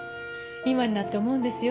今になって思うんですよ。